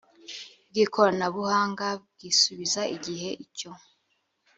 bw ikoranabuhanga byisubiza igihe icyo